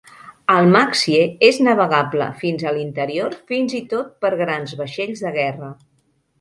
El Maxie és navegable fins al interior fins i tot per grans vaixells de guerra.